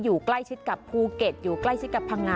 อยู่ใกล้ชิดกับภูเก็ตอยู่ใกล้ชิดกับพังงา